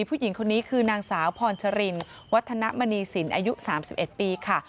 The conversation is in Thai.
ผู้หญิงคนนี้คือนางสาวพรชรินวัฒนมณีสินอายุ๓๑ปีค่ะ